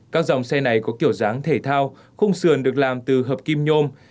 các dòng xe này có kiểu dáng thể thao khung sườn được làm từ hợp kim nhôm